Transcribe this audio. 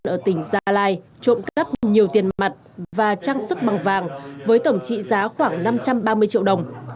ở tỉnh gia lai trộm cắp nhiều tiền mặt và trang sức bằng vàng với tổng trị giá khoảng năm trăm ba mươi triệu đồng